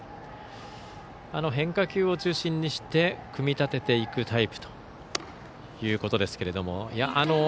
変化球を中心にして組み立てていくタイプということですが。